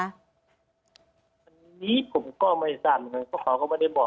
อันนี้ผมก็ไม่รู้สึกเลยเพราะเขาก็ไม่ได้บอก